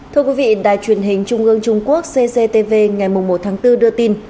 thưa quý vị đài truyền hình trung ương trung quốc cctv ngày một tháng bốn đưa tin